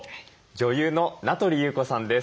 女優の名取裕子さんです。